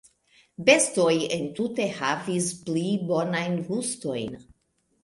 "Bestoj entute havis pli bonajn gustojn."